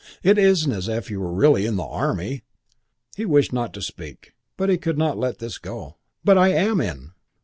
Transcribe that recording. It isn't as if you were really in the Army " He wished not to speak, but he could not let this go. "But I am in."